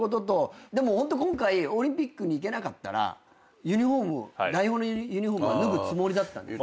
でもホント今回オリンピックに行けなかったらユニホーム代表のユニホームは脱ぐつもりだったんですか？